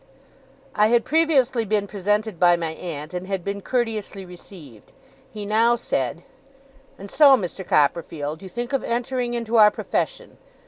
I had previously been presented by my aunt, and had been courteously received. He now said: 'And so, Mr. Copperfield, you think of entering into our profession?